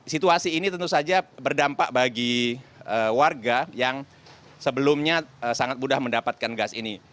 situasi ini tentu saja berdampak bagi warga yang sebelumnya sangat mudah mendapatkan gas ini